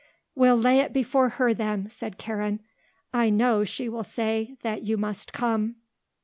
"We'll lay it before her, then," said Karen. "I know she will say that you must come."